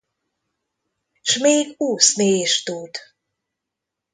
S még úszni is tud!